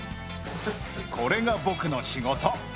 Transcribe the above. これが僕の仕事。